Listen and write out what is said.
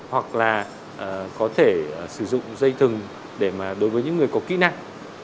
hoặc là có thể sử dụng dây thừng để mà đối với những người có kỹ năng